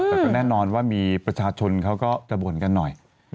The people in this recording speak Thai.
แต่ก็แน่นอนว่ามีประชาชนเขาก็จะบ่นกันหน่อย